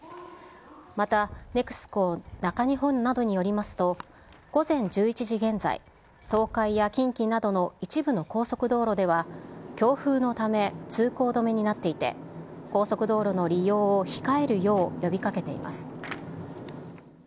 また、ＮＥＸＣＯ中日本などによりますと、午前１１時現在、東海や近畿などの一部の高速道路では、強風のため通行止めになっていて、高速道路の利用を控えるよう呼びかけています。